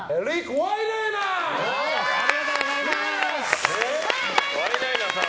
ありがとうございます！